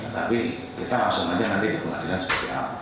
tapi kita langsung aja nanti di pengadilan seperti apa